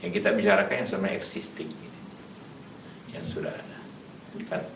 yang kita bicarakan yang sebenarnya existing yang sudah ada